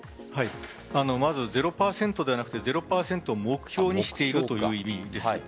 まず０％ではなく０％目標にしているという意味です。